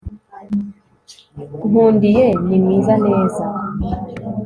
nkundiye ni mwiza. neza